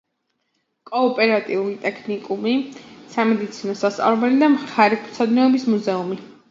კოოპერატიული ტექნიკუმი, სამედიცინო სასწავლებელი და მხარეთმცოდნეობის მუზეუმი.